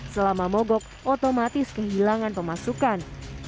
selama mogok otomatis kehilangan pemasukan